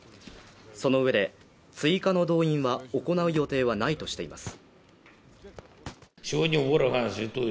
そのうえで追加の動員は行う予定はないとしています